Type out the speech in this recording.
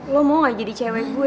lo mau gak jadi cewek gue